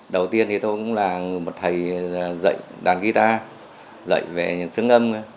đầu tiên thì tôi cũng là một thầy dạy đàn guitar dạy về xương âm